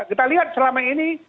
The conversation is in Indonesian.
kita lihat selama ini